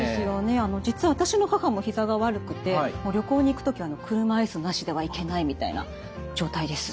実は私の母もひざが悪くて旅行に行く時は車椅子なしでは行けないみたいな状態です。